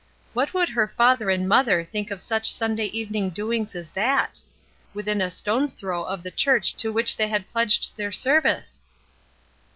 What would her father and mother think of such Sunday evening doings as that? — within a stone's throw of the church to which they had pledged their service